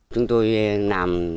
chúng tôi làm